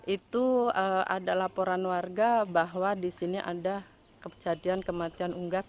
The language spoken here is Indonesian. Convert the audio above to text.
itu ada laporan warga bahwa di sini ada kejadian kematian unggas